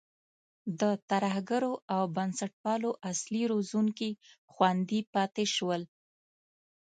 د ترهګرو او بنسټپالو اصلي روزونکي خوندي پاتې شول.